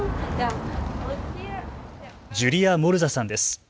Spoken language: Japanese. ジュリア・モルザさんです。